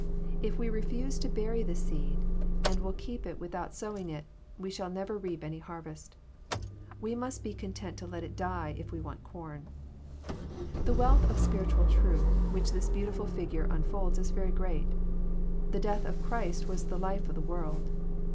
If we refuse to bury the seed, and will keepnt without sowing it, we shall never reap any harvest. We most be content to let it die if we want com. The wealth of spiritual troth which this beautifhl figure un folds is very great. The de&th of Christ was the life of the world.